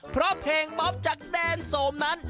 เพราะเพลงป๊อปจากแดนโสมนั้น